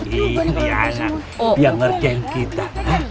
ini anak yang ngerjeng kita